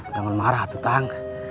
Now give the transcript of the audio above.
jangan marah tuh tang